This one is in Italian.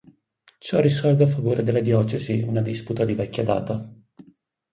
Ciò risolve a favore della diocesi una disputa di vecchia data.